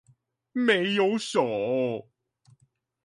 沒有手